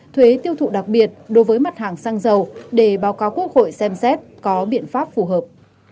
thuế tiêu thụ đặc biệt đối với mặt hàng xăng dầu để báo cáo quốc hội xem xét có biện pháp phù hợp